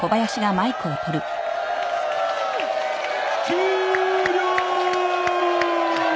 終了！